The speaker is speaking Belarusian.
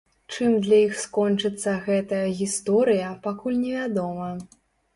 Чым для іх скончыцца гэтая гісторыя, пакуль невядома.